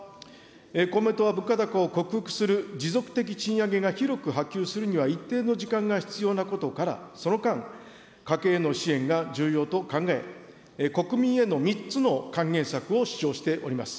公明党は物価高を克服する持続的賃上げが広く波及するには一定の時間が必要なことから、その間、家計への支援が重要と考え、国民への３つの還元策を主張しております。